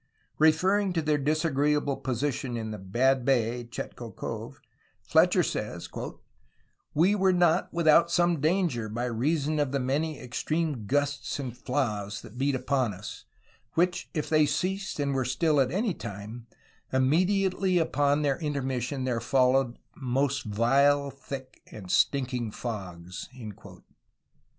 Referring to their disagreeable position in the ''bad bay" (Chetko Cove), Fletcher says: wee were not without some danger by reason of the many ex treme gusts and flawes that beate vpon vs, which if they ceased and were still at any time, immediately upon their intermission there followed most uile, thicke, and stinking fogges."